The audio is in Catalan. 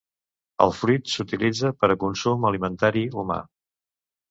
El fruit s'utilitza per a consum alimentari humà.